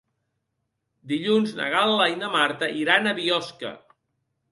Dilluns na Gal·la i na Marta iran a Biosca.